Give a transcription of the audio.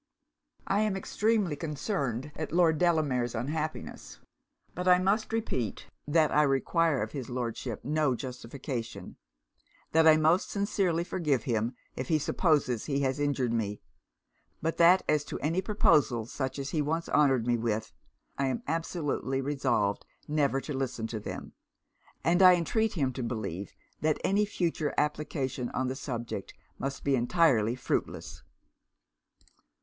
'I am extremely concerned at Lord Delamere's unhappiness. But I must repeat that I require of his Lordship no justification; that I most sincerely forgive him if he supposes he has injured me; but that as to any proposals such as he once honoured me with, I am absolutely resolved never to listen to them; and I entreat him to believe that any future application on the subject must be entirely fruitless.'